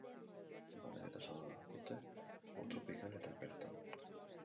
Banaketa zabala dute ur tropikal eta epeletan.